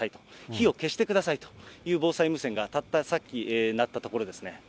火を消してくださいという防災無線がたったさっき、なったところですね。